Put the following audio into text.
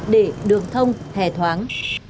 để đường thông hề thoáng